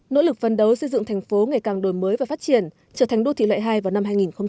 nỗ lực phân đấu xây dựng thành phố ngày càng đổi mới và phát triển trở thành đô thị loại hai vào năm hai nghìn ba mươi